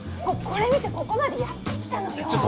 これ見てここまでやって来たのよ。